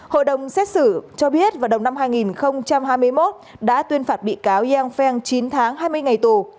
hội đồng xét xử cho biết vào đầu năm hai nghìn hai mươi một đã tuyên phạt bị cáo yang pheng chín tháng hai mươi ngày tù